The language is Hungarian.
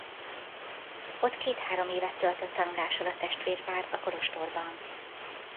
Ott két-három évet töltött tanulással a testvérpár a kolostorban.